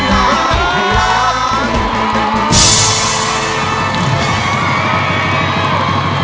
สวัสดีครับ